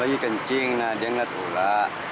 lagi kencing nah dia ngeliat ula